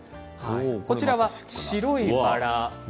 こちらは白いバラ。